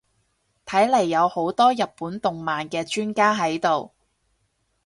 睇嚟有好多日本動漫嘅專家喺度